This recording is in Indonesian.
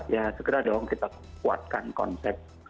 ya segera dong kita kuatkan konsep